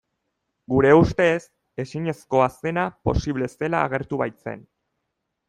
Gure ustez ezinezkoa zena posible zela agertu baitzen.